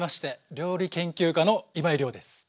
料理研究家の今井亮です。